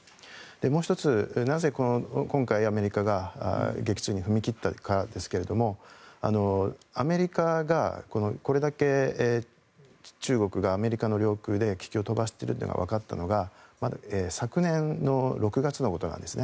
もう１つ、なぜ今回アメリカが撃墜に踏み切ったかですがアメリカがこれだけ中国がアメリカの領空で気球を飛ばしているのがわかったのが昨年の６月のことなんですね。